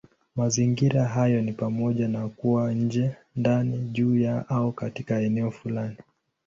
Mazingira hayo ni pamoja na kuwa nje, ndani, juu ya, au katika eneo fulani.